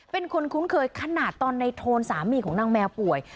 เป็นคนคุ้นเคยขนาดตอนในโทนสามีของนางแมวป่วย